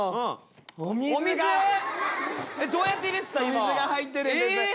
お水が入ってるんです。